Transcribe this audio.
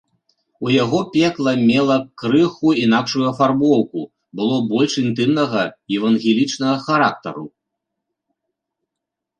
У яго пекла мела крыху інакшую афарбоўку, было больш інтымнага евангелічнага характару.